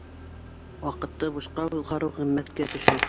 Ваҡытты бушҡа уҙғарыу ҡиммәткә төшә.